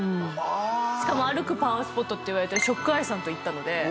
しかも歩くパワースポットっていわれてるＳＨＯＣＫＥＹＥさんと行ったので。